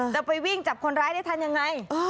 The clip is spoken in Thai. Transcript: จะไปวิ่งจับคนร้ายได้ทันยังไง